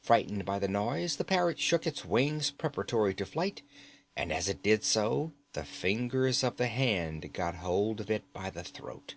Frightened by the noise the parrot shook its wings preparatory to flight, and as it did so the fingers of the hand got hold of it by the throat.